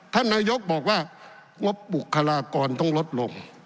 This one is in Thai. ท่านนายกบอกว่างบบุคลากรต้องลดลง